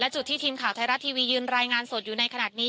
จุดที่ทีมข่าวไทยรัฐทีวียืนรายงานสดอยู่ในขณะนี้